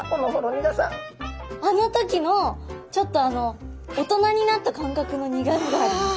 あの時のちょっとあの大人になった感覚の苦みがあります。